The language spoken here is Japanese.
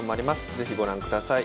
是非ご覧ください。